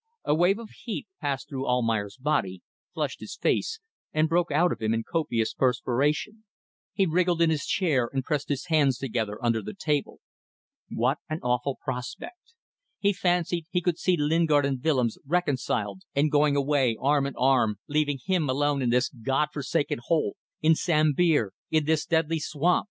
. A wave of heat passed through Almayer's body, flushed his face, and broke out of him in copious perspiration. He wriggled in his chair, and pressed his hands together under the table. What an awful prospect! He fancied he could see Lingard and Willems reconciled and going away arm in arm, leaving him alone in this God forsaken hole in Sambir in this deadly swamp!